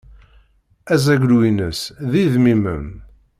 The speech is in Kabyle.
Azaglu-ines d idmimen.